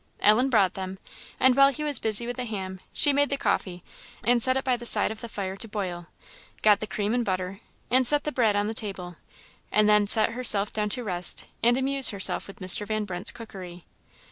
Ellen brought them, and while he was busy with the ham, she made the coffee, and set it by the side of the fire to boil; got the cream and butter, and set the bread on the table; and then set herself down to rest, and amuse herself with Mr. Van Brunt's cookery.